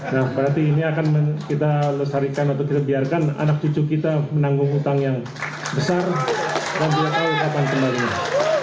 nah berarti ini akan kita lestarikan atau kita biarkan anak cucu kita menanggung hutang yang besar dan dua tahun kapan kembalinya